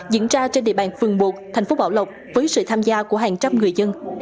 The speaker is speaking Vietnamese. diễn ra trên địa bàn phường một thành phố bảo lộc với sự tham gia của hàng trăm người dân